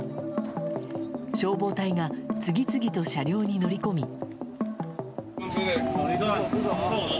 消防隊が次々と車両に乗り込み。